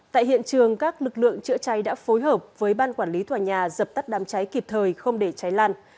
tại hiện trường các lực lượng chữa cháy đã phối hợp với ban quản lý tòa nhà dập tắt đám cháy kịp thời không để cháy lan